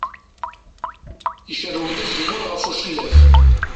Icerrew-d azemmur ɣer ucellaf.